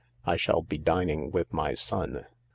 I shall be dining with my son.